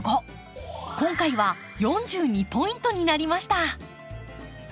今回は４２ポイントになりました。